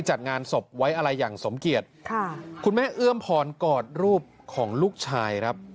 จัดงานศพไว้อะไรอย่างสมเกียจค่ะคุณแม่เอื้อมพรกอดรูปของลูกชายครับ